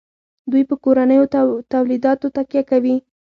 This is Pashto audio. دوی په کورنیو تولیداتو تکیه کوي.